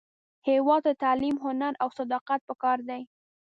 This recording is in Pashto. هیواد ته تعلیم، هنر، او صداقت پکار دی